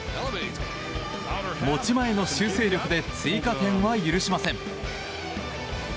持ち前の修正力で追加点は許しません。